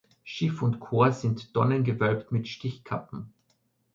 Schiff und Chor sind tonnengewölbt mit Stichkappen.